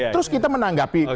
terus kita menanggapi